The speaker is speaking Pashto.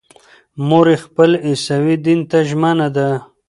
مور یې خپل عیسوي دین ته ژمنه ده.